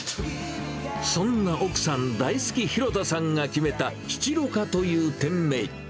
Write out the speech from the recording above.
そんな奥さん大好き廣田さんが決めた、シチロカという店名。